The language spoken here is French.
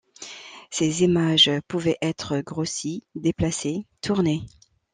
Ces images pouvait être grossies, déplacées, tournées.